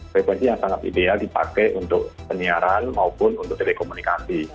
frekuensi yang sangat ideal dipakai untuk penyiaran maupun untuk telekomunikasi